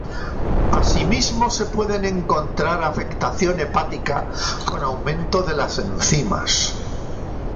Asimismo se puede encontrar afectación hepática con aumento de las enzimas.